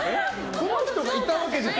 この人がいたわけじゃない。